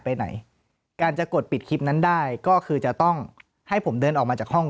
ไปไหนการจะกดปิดคลิปนั้นได้ก็คือจะต้องให้ผมเดินออกมาจากห้อง